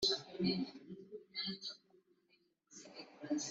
The song is set for two voices with cello and sparse guitar accompaniment.